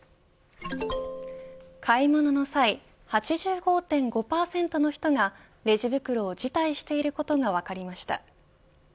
買い物の際、８５．５％の人がレジ袋を辞退していることが分かりました。